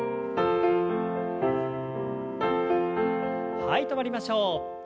はい止まりましょう。